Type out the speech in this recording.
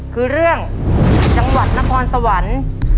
คือเรื่องจังหวัดนครสวรรค์